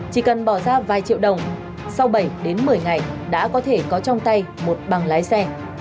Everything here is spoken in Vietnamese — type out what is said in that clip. chỉ cần bỏ ra vài triệu đồng sau bảy đến một mươi ngày đã có thể có trong tay một bằng lái xe